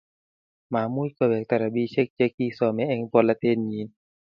Mamuch kowekta rabisiek chi kisome eng polatet nyin